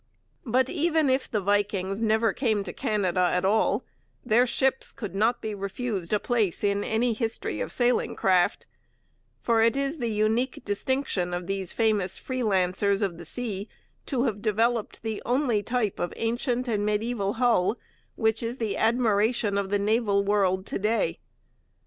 But even if the Vikings never came to Canada at all, their ships could not be refused a place in any history of sailing craft; for it is the unique distinction of these famous freelances of the sea to have developed the only type of ancient and mediaeval hull which is the admiration of the naval world to day.